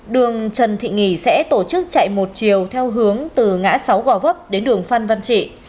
đường trần thị nghỉ sẽ tổ chức chạy một chiều theo hướng từ ngã sáu gò vấp đến đường phan văn trị